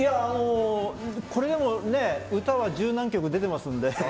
これでも歌は十何曲出てますので。